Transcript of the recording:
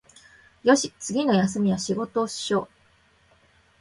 よし、次の休みは仕事しよう